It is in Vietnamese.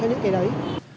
những cái đấy